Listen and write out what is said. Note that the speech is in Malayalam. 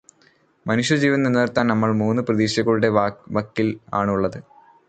മനുഷ്യജീവൻ നിലനിർത്താൻ നമ്മൾ മൂന്നു പ്രതീക്ഷകളുടെ വക്കിൽ ആണ് ഉള്ളത്